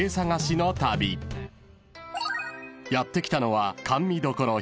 ［やって来たのは］